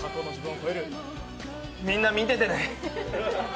みんな、見ててね。